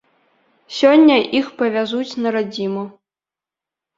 Сёння іх павязуць на радзіму.